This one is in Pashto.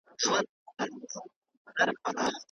دا ناول د افغانانو د صبر او استقامت کیسه ده.